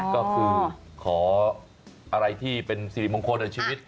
ก็คือขออะไรที่เป็นสิริมงคลในชีวิต